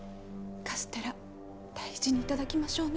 カステラ大事に頂きましょうね。